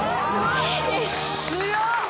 強っ。